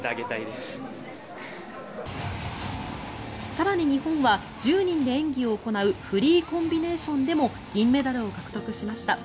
更に、日本は１０人で演技を行うフリーコンビネーションでも銀メダルを獲得しました。